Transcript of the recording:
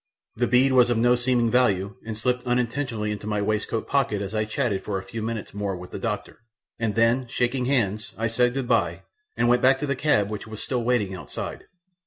The bead was of no seeming value and slipped unintentionally into my waistcoat pocket as I chatted for a few minutes more with the doctor, and then, shaking hands, I said goodbye, and went back to the cab which was still waiting outside.